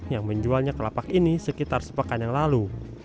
yang menjualnya kelapak ini sekitar sepekan yang lalu